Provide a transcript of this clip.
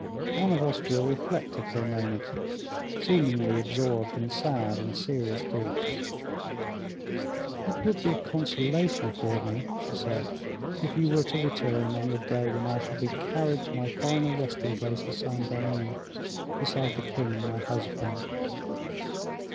Anne of Austria reflected for a moment, seemingly absorbed in sad and serious thought. "It would be a consolation for me," she said, "if you were to return on the day when I shall be carried to my final resting place at Saint Dennis beside the king, my husband."